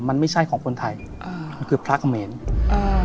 มันไม่ใช่ของคนไทยอ่ามันคือพระเขมรอ่า